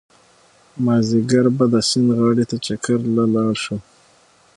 مازيګر به د سيند غاړې ته چکر له لاړ شو